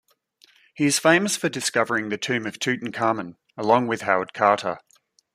He is famous for discovering the tomb of Tutankhamun along with Howard Carter.